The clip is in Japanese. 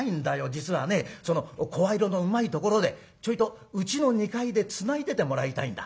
実はねその声色のうまいところでちょいとうちの２階でつないでてもらいたいんだ。